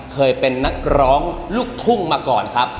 เคยเป็นนักร้องลูกทุ่งมาก่อนครับ